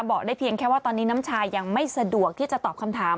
บอกได้เพียงแค่ว่าตอนนี้น้ำชายังไม่สะดวกที่จะตอบคำถาม